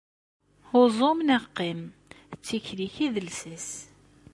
Uẓum neɣ qqim, d tikli-k i d lsas.